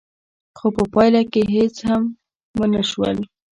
خو په پايله کې هېڅ هم ونه شول.